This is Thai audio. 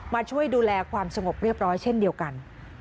มาช่วยดูแลความสงบเรียบร้อยเช่นเดียวกัน